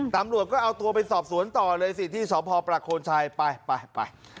ตำรวจก็เอาตัวไปสอบสวนต่อเลยสิที่สพประโคนชัยไปไป